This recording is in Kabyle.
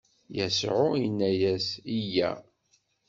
Yasuɛ inna-as: Yya!